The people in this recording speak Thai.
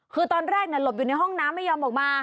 คือตอนแรกหลบอยู่ในห้องน้ำไม่ยอมออกมา